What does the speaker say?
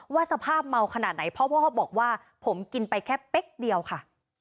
สภาพเมาขนาดไหนพ่อบอกว่าผมกินไปแค่เป๊กเดียวค่ะ